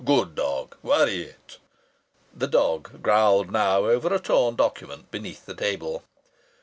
Good dog! Worry it!" (The dog growled now over a torn document beneath the table.)